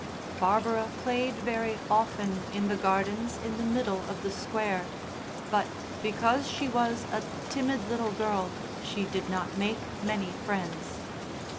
Barbara played very often in the gardens in the middle of the Square, but because she was a timid little girl she did not make many friends.